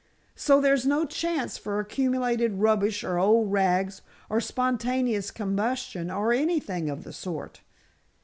So, there's no chance for accumulated rubbish or old rags or spontaneous combustion or anything of the sort.